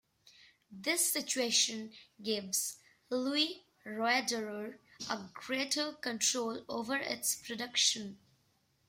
This situation gives Louis Roederer a greater control over its production.